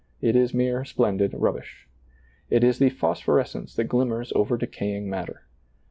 It is mere splendid rubbish. It is the phosphorescence that glimmers over decaying matter.